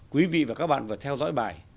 quý vị và các bạn vừa theo dõi bài